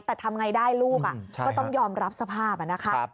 แต่ทำไงได้ลูกก็ต้องยอมรับสภาพนะคะ